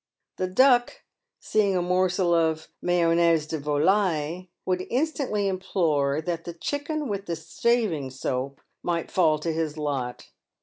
The "Duck" seeing a morsel of "mayonnaise de volaille," would instantly implore that the "chicken with the shaving soap" might fall to his lot.